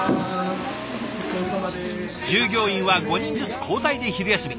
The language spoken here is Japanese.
従業員は５人ずつ交代で昼休み。